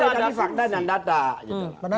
saya bicara tadi fakta dan data gitu